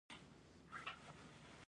موریانو او کوشانیانو فیلان لرل